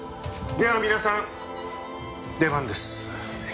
では皆さん出番です。